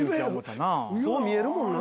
そう見えるもんな。